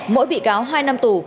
mỗi bị cáo hai năm tù